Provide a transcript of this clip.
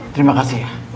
terima kasih ya